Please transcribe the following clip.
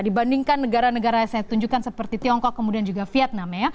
dibandingkan negara negara yang saya tunjukkan seperti tiongkok kemudian juga vietnam